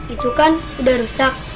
itu kan sudah rusak